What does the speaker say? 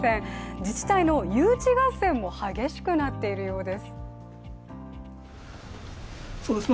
自治体の誘致合戦も激しくなっているようです